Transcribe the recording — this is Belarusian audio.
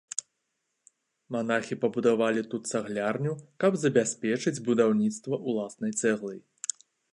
Манахі пабудавалі тут цаглярню, каб забяспечыць будаўніцтва ўласнай цэглай.